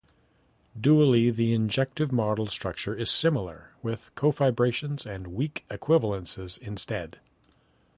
Dually, the injective model structure is similar with cofibrations and weak equivalences instead.